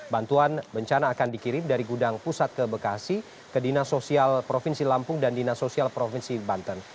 bantuan bencana akan dikirim dari gudang pusat ke bekasi ke dinasosial provinsi lampung dan dinasosial provinsi banten